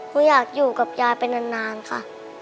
อยากอยู่กับยายไปนานค่ะ